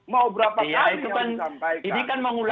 mau berapa kali yang disampaikan